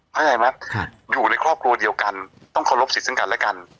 เข้าใจไหมอยู่ในครอบครัวเดียวกันต้องเคารพสิทธิ์ซึ่งกันและกัน